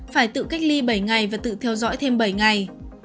phải tự cách ly bảy ngày và tự theo dõi thêm bảy ngày